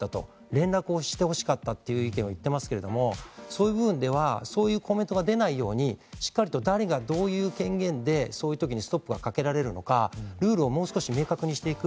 連絡をして欲しかったっていう意見を言ってますけれどもそういう部分ではそういうコメントが出ないようにしっかりと誰がどういう権限でそういう時にストップがかけられるのかルールをもう少し明確にしていく。